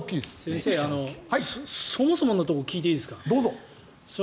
先生、そもそものところを聞いていいですか？